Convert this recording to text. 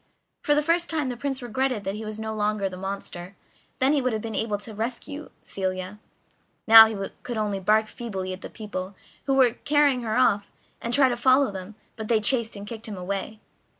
For the first time the Prince regretted that he was no longer the monster, then he would have been able to rescue Celia; now he could only bark feebly at the people who were carrying her off, and try to follow them, but they chased and kicked him away.